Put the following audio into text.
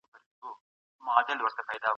که غواړئ روغ پاتې شئ، نو نظافت مراعات کړئ.